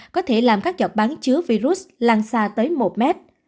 có thể làm các giọt bắn chứa virus lan xa tới một mét